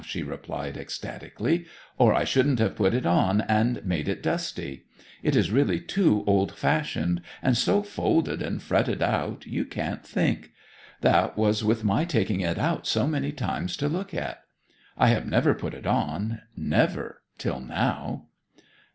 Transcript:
she replied, ecstatically, 'or I shouldn't have put it on and made it dusty. It is really too old fashioned, and so folded and fretted out, you can't think. That was with my taking it out so many times to look at. I have never put it on never till now!'